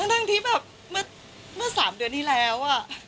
ทั้งที่แบบเมื่อ๓เดือนที่แล้ว